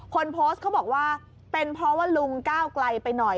คนโพสต์เขาบอกว่าเป็นเพราะว่าลุงก้าวไกลไปหน่อย